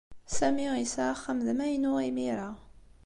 Sami yesɛa axxam d amaynu imir-a.